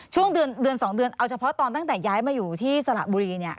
ช่วงเดือน๒เดือนเอาเฉพาะตอนตั้งแต่ย้ายมาอยู่ที่สระบุรี